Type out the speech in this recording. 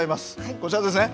こちらですね。